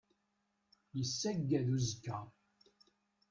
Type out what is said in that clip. Yessaggad uzekka.